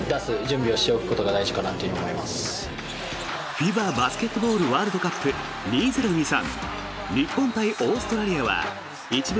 ＦＩＢＡバスケットボールワールドカップ２０２３